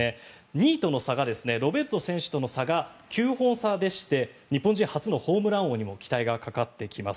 ２位との差がロベルト選手との差が９本差でして日本人初のホームラン王にも期待がかかってきます。